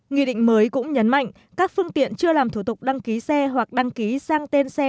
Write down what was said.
nghị định mới cũng nhấn mạnh các phương tiện chưa làm thủ tục đăng ký xe hoặc đăng ký sang tên xe